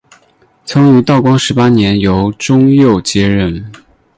曾于道光十八年由中佑接任。